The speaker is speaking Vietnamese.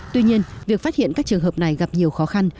tuy nhiên việc phát hiện các trường hợp này gặp nhiều khó khăn